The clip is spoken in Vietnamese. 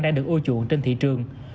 đang được ô chuộng trên thị trường